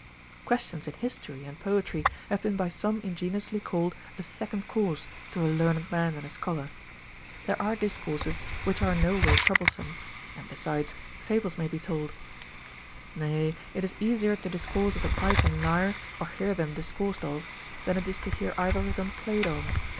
Questions in history and poetry have been by some ingeniously called a second course to a learned man and a scholar. There are discourses which are no way troublesome ; and, besides, iiibles may be told. Nay, it is easier to discourse of the pipe and lyre, or hear them discoursed of, than it is to hear either of them played on.